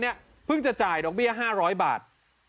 เพิ่งจะจ่ายดอกเบี้ย๕๐๐บาท